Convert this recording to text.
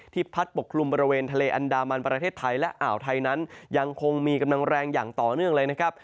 พัดปกคลุมบริเวณทะเลอันดามันประเทศไทยและอ่าวไทยนั้นยังคงมีกำลังแรงอย่างต่อเนื่องเลยนะครับ